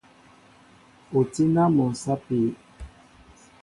O tí na mol sapi?